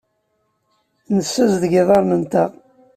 Nessazdeg iḍarren-nteɣ.